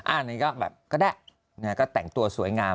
อันนี้ก็แบบก็ได้ก็แต่งตัวสวยงาม